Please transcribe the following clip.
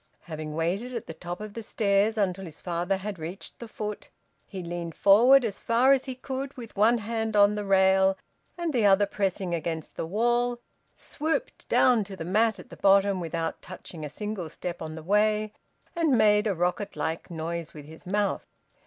Having waited at the top of the stairs until his father had reached the foot, he leaned forward as far as he could with one hand on the rail and the other pressing against the wall, swooped down to the mat at the bottom, without touching a single step on the way, and made a rocket like noise with his mouth.